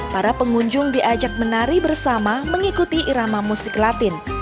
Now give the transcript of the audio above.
para pengunjung diajak menari bersama mengikuti irama musik latin